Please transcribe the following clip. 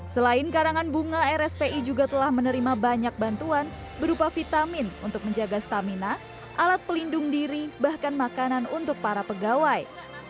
selain karangan bunga rspi juga telah menerima banyak bantuan berupa vitamin untuk menjaga stamina alat pelindung diri bahkan makanan untuk para pegawai